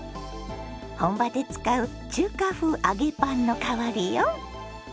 本場で使う中華風揚げパンの代わりよ。